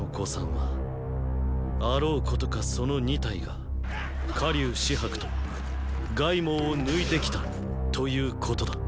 はーーあろうことかその二隊が火龍紫伯と凱孟を抜いてきたということだ。